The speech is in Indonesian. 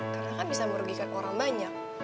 karena gak bisa merugikan orang banyak